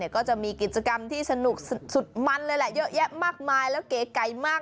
ก็จะมีกิจกรรมที่สนุกสุดมันเลยแหละเยอะแยะมากมายแล้วเก๋ไก่มาก